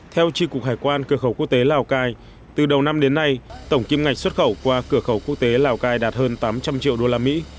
theo tri cục hải quan cửa khẩu quốc tế lào cai từ đầu năm đến nay tổng kim ngạch xuất khẩu qua cửa khẩu quốc tế lào cai đạt hơn tám trăm linh triệu đô la mỹ